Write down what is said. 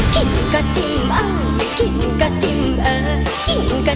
กินก็จิ้มเอ้าไม่กินก็จิ้มเออ